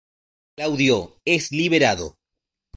Claudio es liberado.